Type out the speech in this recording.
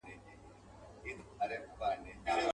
د ډوډۍ پر وخت به خپل قصر ته تلله.